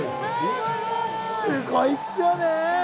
すごいっすよね。